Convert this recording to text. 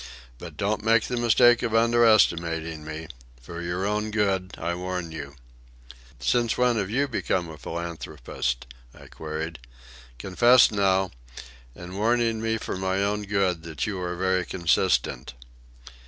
But don't make the mistake of under estimating me. For your own good I warn you." "Since when have you become a philanthropist?" I queried. "Confess, now, in warning me for my own good, that you are very consistent."